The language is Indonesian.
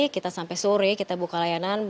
kita sampai sore kita buka layanan